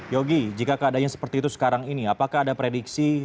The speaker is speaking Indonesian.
yogi jika keadaannya seperti itu sekarang ini apakah ada prediksi